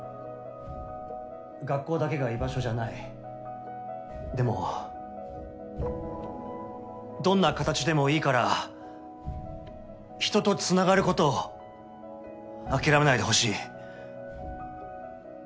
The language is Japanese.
・学校だけが居場所じゃないでもどんな形でもいいから人とつながることを諦めないでほしい。